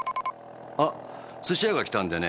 あっ寿司屋が来たんでね